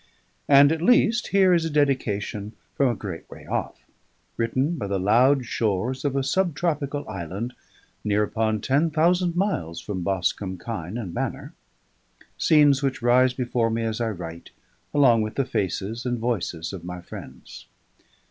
_ _And at least here is a dedication from a great way off: written by the loud shores of a subtropical island near upon ten thousand miles from Boscombe Chine and Manor: scenes which rise before me as I write, along with the faces and voices of my friends.